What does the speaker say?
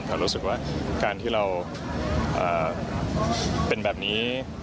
เรารู้สึกว่าการที่เราเป็นแบบนี้